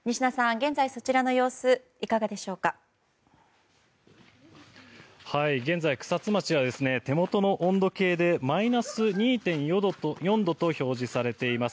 現在、草津町は手元の温度計でマイナス２．４度と表示されています。